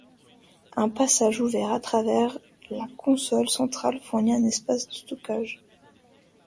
Un passage ouvert à travers la console centrale fournit un espace de stockage.